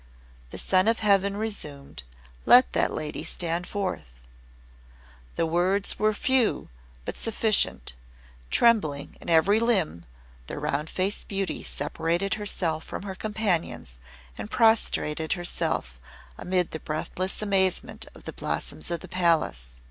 The Son of Heaven resumed: "Let that lady stand forth." The words were few, but sufficient. Trembling in every limb, the Round Faced Beauty separated herself from her companions and prostrated herself, amid the breathless amazement of the Blossoms of the Palace.